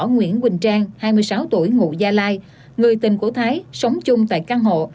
nguyễn quỳnh trang hai mươi sáu tuổi ngụ gia lai người tình của thái sống chung tại căn hộ